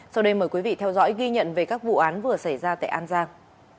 sau đây mời quý vị theo dõi ghi nhận về các vụ án vừa xảy ra tại an giang